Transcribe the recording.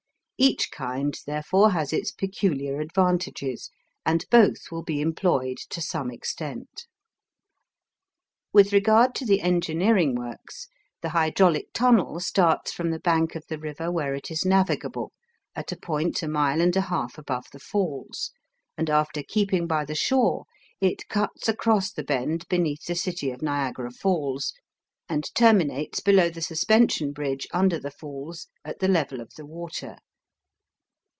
Each kind, therefore, has its peculiar advantages, and both will be employed to some extent. With regard to the engineering works, the hydraulic tunnel starts from the bank of the river where it is navigable, at a point a mile and a half above the Falls, and after keeping by the shore, it cuts across the bend beneath the city of Niagara Falls, and terminates below the Suspension Bridge under the Falls at the level of the water.